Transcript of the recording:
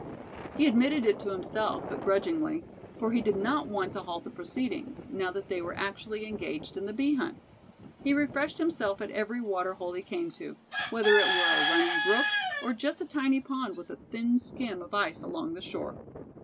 He admitted it to himself, but grudgingly, for he did not want to halt the proceedings, now that they were actually engaged in the bee hunt. He refreshed himself at every water hole he came to, whether it were a running brook, or just a tiny pond with a thin skim of ice along the shore.